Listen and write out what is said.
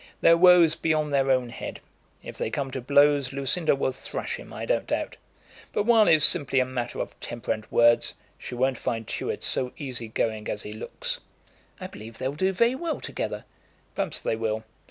Their woes be on their own head. If they come to blows Lucinda will thrash him, I don't doubt. But while it's simply a matter of temper and words, she won't find Tewett so easy going as he looks." "I believe they'll do very well together." "Perhaps they will.